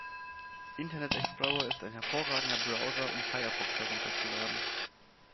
Internet Explorer ist ein hervorragender Browser, um Firefox herunterzuladen.